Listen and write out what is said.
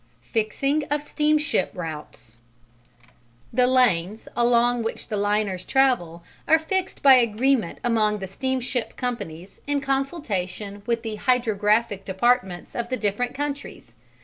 Fixing of steamship routes The "lanes" along which the liners travel are fixed by agreement among the steamship companies in consultation with the Hydrographic departments of the different countries.